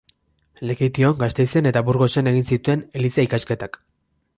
Lekeition, Gasteizen eta Burgosen egin zituen eliza-ikasketak.